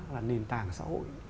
là nền tảng xã hội